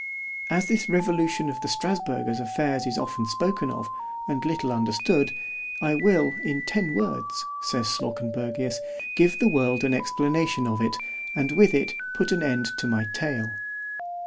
As this revolution of the Strasburgers affairs is often spoken of, and little understood, I will, in ten words, says Slawkenbergius, give the world an explanation of it, and with it put an end to my tale.